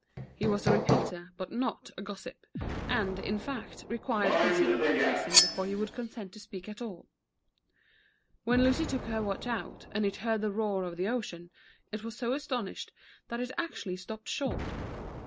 He was a repeater, but not a gossip, and, in fact, required considerable pressing before he would consent to speak at all. When Lucy took her watch out, and it heard the roar of the ocean, it was so astonished that it actually stopped short.